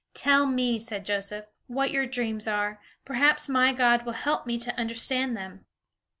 "Tell me," said Joseph, "what your dreams are. Perhaps my God will help me to understand them."